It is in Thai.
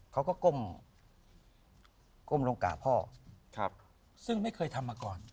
เขาก็ก้มลงกราบพ่อครับซึ่งไม่เคยทำมาก่อน